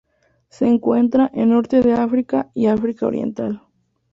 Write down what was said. Se encuentra en Norte de África y África oriental.